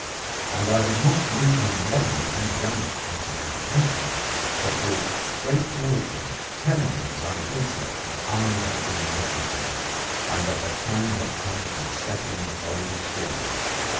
And I did not leave him long in any doubt as to my intentions, but walked straight towards him, telling him as I did so that I had been looking for him, and that the time had come for the settling of old scores.